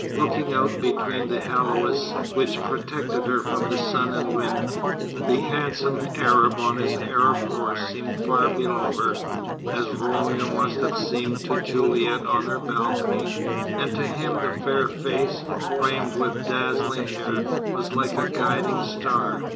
Looking out between the haoulis which protected her from sun and wind, the handsome Arab on his Arab horse seemed far below her, as Romeo must have seemed to Juliet on her balcony; and to him the fair face, framed with dazzling hair was like a guiding star.